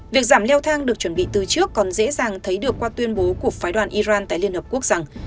việc giảm leo thang được chuẩn bị từ trước còn dễ dàng thấy được qua tuyên bố của phái đoàn iran tại liên hợp quốc rằng